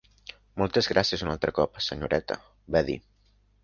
"Moltes gràcies un altre cop, senyoreta" va dir.